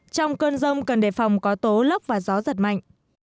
trong cơn rông cần đề phòng có tố lốc và gió giật mạnh